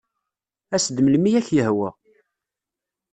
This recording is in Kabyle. As-d melmi ay ak-yehwa.